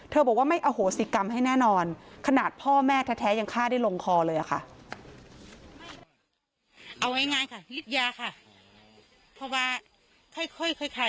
บอกว่าไม่อโหสิกรรมให้แน่นอนขนาดพ่อแม่แท้ยังฆ่าได้ลงคอเลยอะค่ะ